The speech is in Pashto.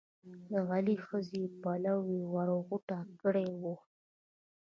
د علي د ښځې پلو یې ور غوټه کړی وو.